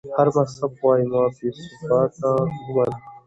چې هر مذهب وائي ما بې ثبوته اومنه